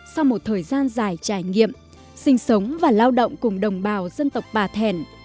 sau một thời gian dài trải nghiệm sinh sống và lao động cùng đồng bào dân tộc bà thẻn